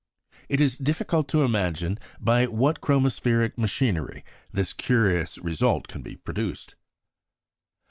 It is difficult to imagine by what chromospheric machinery this curious result can be produced.